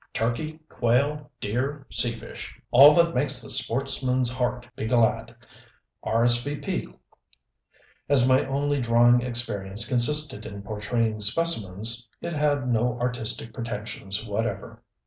Turkey, quail, deer, sea fish. All that makes the sportsman's heart be glad. R.S.V.P.] As my only drawing experience consisted in portraying specimens, it had no artistic pretensions whatever.